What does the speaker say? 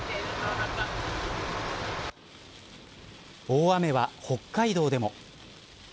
大雨は北海道でも。